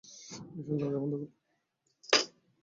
নিসার আলি দরজা বন্ধ করলেন।